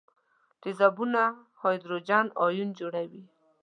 تیزابونه هایدروجن ایون جوړوي.